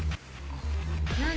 何？